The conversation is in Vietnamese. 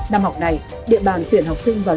năm học này địa bàn tuyển học sinh vào